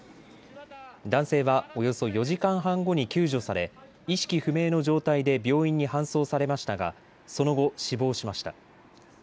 男性はおよそ４時間半後に救助され意識不明の状態で病院に搬送されましたがその後、死亡しました。